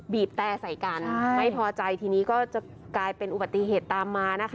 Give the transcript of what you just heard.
แต่ใส่กันไม่พอใจทีนี้ก็จะกลายเป็นอุบัติเหตุตามมานะคะ